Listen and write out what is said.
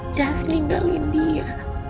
jazz ninggalin dia